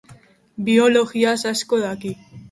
Biologiaz asko daki.